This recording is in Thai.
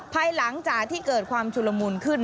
ภายหลังจากที่เกิดความชุลมูลขึ้น